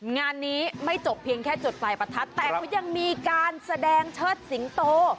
งานนี้ไม่จบเพียงแค่จุดปลายประทัดแต่เขายังมีการแสดงเชิดสิงโต